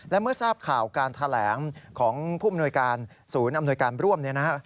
และเมื่อทราบข่าวการแถลงของผู้มนวยการศูนย์อำนวยการร่วมเนี่ยนะฮะ